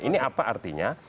ini apa artinya